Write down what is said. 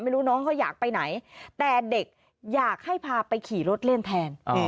น้องเขาอยากไปไหนแต่เด็กอยากให้พาไปขี่รถเล่นแทน